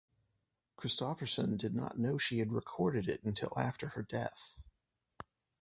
Kristofferson did not know she had recorded it until after her death.